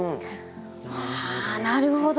なるほど。